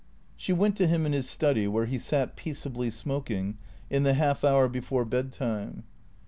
She went to him in his study where he sat peaceably smoking in the half hour before bed time.